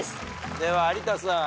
では有田さん。